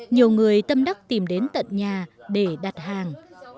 nhiều người tâm đắc tìm đến tận nhà để đặt hàng